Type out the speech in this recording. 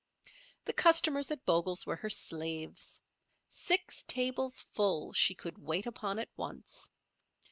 The customers at Bogle's were her slaves. Six tables full she could wait upon at once.